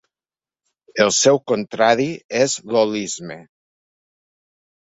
El seu contrari és l'holisme.